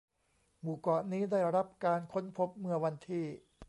หมู่เกาะนี้ได้รับการค้นพบเมื่อวันที่